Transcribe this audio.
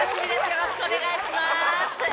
よろしくお願いします。